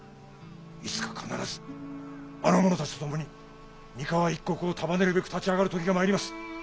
いつか必ずあの者たちと共に三河一国を束ねるべく立ち上がる時が参ります！